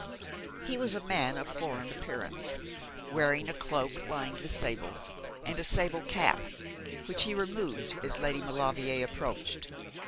He was a man of foreign appearance, wearing a cloak lined with sables, and a sable cap, which he removed as Lady Maulevrier approached.